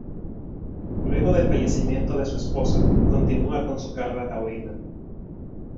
Luego del fallecimiento de su esposa, continúa con su carrera taurina.